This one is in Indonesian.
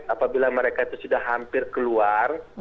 apabila mereka itu sudah hampir keluar